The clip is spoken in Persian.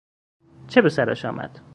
چه بسرش آمد؟